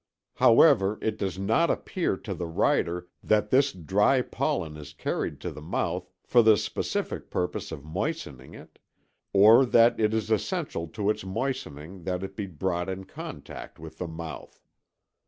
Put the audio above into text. However, it does not appear to the writer that this dry pollen is carried to the mouth for the specific purpose of moistening it, or that it is essential to its moistening that it be brought in contact with the mouth.